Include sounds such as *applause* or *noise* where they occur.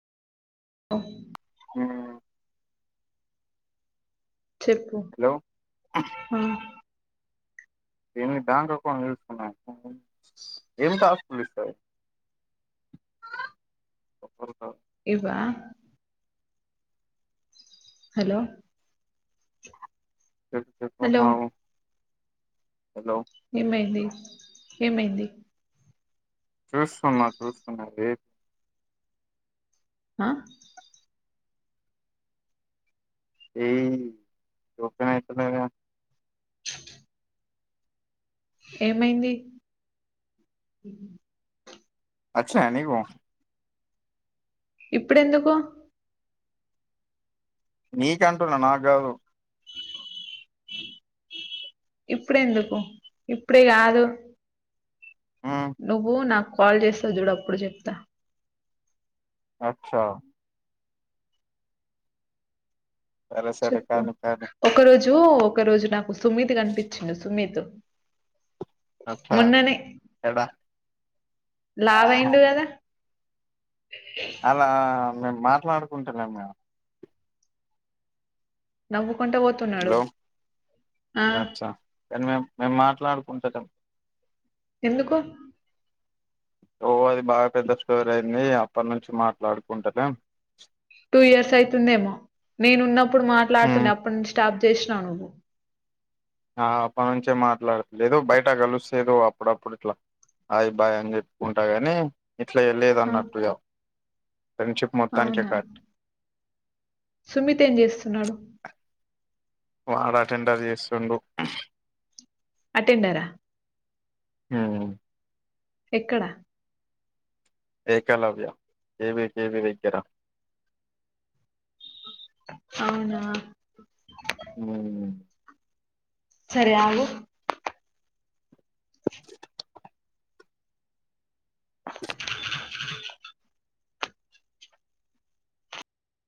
ఆ ఆ చెప్పు హలో అ. *unintelligible* ఎవరితో? ఇవ్వ. హలో. Hello hello. ఏమైంది, ఏమైంది. చూస్తున్నా చూస్తున్నా లే. అ. *unintelligible* ట్ట *unintelligible* ఏమైంది. అచ్చినయ నీకు. ఇప్పుడెందుకు. నీకంటున్నా నాగాదు. ఇప్పుడెందుకు, ఇప్పుడే గాదు. మ్మ్ నువ్వు నాకు కాల్ జేస్తావ్ జూడు, అప్పుడు జెప్తా. అచ్చా. సరే సరే చెప్పు, కానీ కానీ ఒక రోజు ఒక రోజు నాకు సుమిత్ కనిపించిండు సుమితు. అచ్చా మోన్ననే, ఎడా ఆహా. లావయిండు గదా. అలా, మేము మాట్లాడుకుంటలేం గ. నవ్వుకుంటా ఒతున్నడు హలో ఆ. అచ్చా కానీ మేం మేం, మాట్లాడుకుంటలేం. ఎందుకు. ఓ అది బాగా పెద్ద స్టోర్ అయింది, అప్పటి నుంచి మాట్లాడుకుంటలేం. Two years అయితుందేమో. నేను ఉన్నప్పుడు మ్మ్ మాట్లాడుతుండె, అప్పటి నుంచి స్టాబ్ జేషినవ్ నువ్వు. ఆ అప్పటి నుంచే మాట్లాడలేదు, బయట కలుస్తే ఎదో అప్పుడప్పుడు ఇట్ల. ఆయ్ బాయ్ అని చెప్పుకుంటా గని, ఇట్లా ఆ ఎళ్లేదన్నట్టుగా. అవునా, సుమిత్ ఏం జేస్తున్నాడు. ఆడ అటెండర్ జేస్తుండు. అటెండరా. ఊమ్. ఎక్కడ. ఏకలవ్య, ఏవి కేవి విగ్గర. అవునా. ఊమ్. సరే ఆగు. *unintelligible*